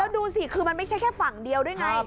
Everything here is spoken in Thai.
ดูสิคือมันไม่ใช่แค่ฝั่งเดียวด้วยไง